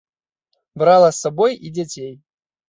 Брала з сабою і дзяцей.